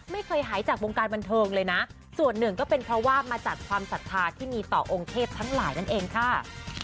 ไม่เคยหายจากวงการบันเทิงเลยนะส่วนหนึ่งก็เป็นเพราะว่ามาจากความศรัทธาที่มีต่อองค์เทพทั้งหลายนั่นเองค่ะ